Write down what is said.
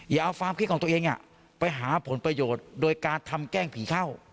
อย่าเอาความคิดของตัวเองไปหาผลประโยชน์โดยการทำแกล้งผีเข้า